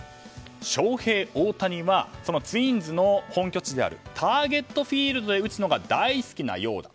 ショウヘイ・オオタニはツインズの本拠地であるターゲット・フィールドで打つのが大好きなようだ。